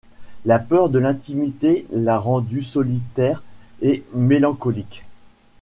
La peur de l'intimité l'a rendu solitaire et mélancolique.